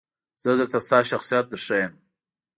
زه درته ستا شخصیت درښایم .